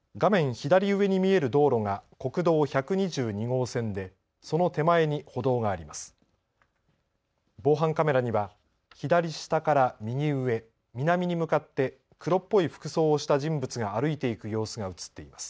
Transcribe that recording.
左上に見える道路が国道１２２号線でその手前に歩道があります。